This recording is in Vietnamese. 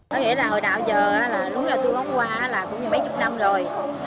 nó nghĩa là hồi đạo giờ lúc nào tôi bóng hoa là cũng như mấy chục năm rồi